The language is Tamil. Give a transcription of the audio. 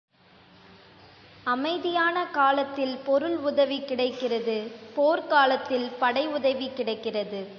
அமைதியான காலத்தில் பொருள் உதவி கிடைக்கிறது போர்க்காலத்தில் படை உதவி கிடைக்கிறது.